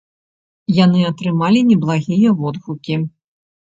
Яны атрымалі неблагія водгукі.